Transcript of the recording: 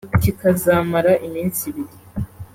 kikazamara iminsi ibiri